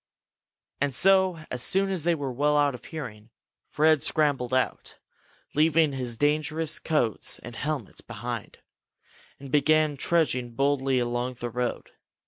And so, as soon as they were well out of hearing, Fred scrambled out, leaving his dangerous coats and helmets behind, and began trudging boldly along the road.